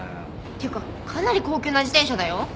っていうかかなり高級な自転車だよ。